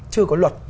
chưa có luật